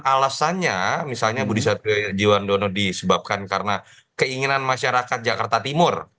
alasannya misalnya budi satriojiwandono disebabkan karena keinginan masyarakat jakarta timur